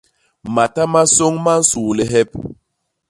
Mata ma sôñ ma nsuu lihep.